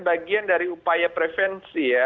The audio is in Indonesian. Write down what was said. bagian dari upaya prevensi ya